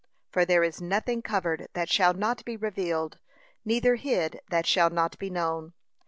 'For there is nothing covered that shall not be revealed; neither hid that shall not be known.